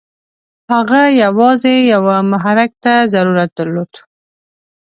هغه یوازې یوه محرک ته ضرورت درلود.